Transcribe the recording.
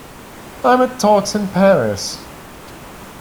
Climate Talks in Paris.